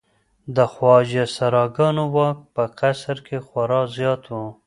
د خواجه سراګانو واک په قصر کې خورا زیات و.